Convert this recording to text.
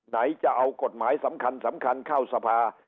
ไหนจะเอากฎหมายสำคัญเข้าสภา